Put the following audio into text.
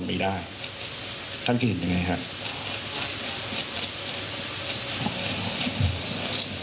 ไม่ได้ท่านคิดยังไงครับ